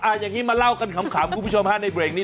อาอย่างนี้มาเล่ากันขำกับคุณผู้ชมห้าในเบรงกัน